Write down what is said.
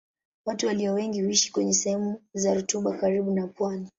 Watu walio wengi huishi kwenye sehemu za rutuba karibu na pwani.